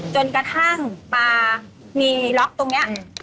จนกระทั่งปลามีล็อกตรงนี้